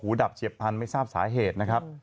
ดับเฉียบพันธุไม่ทราบสาเหตุนะครับ